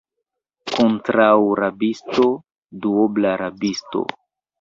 Kontraŭ rabisto, duobla rabisto.